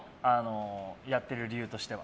やってる理由としては。